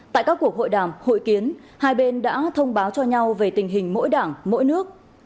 tại các cuộc hội đàm hội kiến hai bên đã thông báo cho nhau về tình hình mỗi đảng mỗi nước